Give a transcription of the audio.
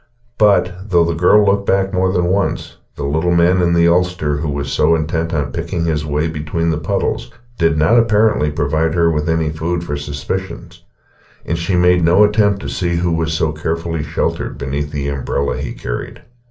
But, though the girl looked back more than once, the little man in the ulster who was so intent on picking his way between the puddles did not apparently provide her with any food for suspicion; and she made no attempt to see who was so carefully sheltered beneath the umbrella he carried.